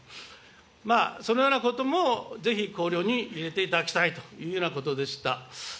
そのようなこともぜひ考慮に入れていただきたいというようなことでした。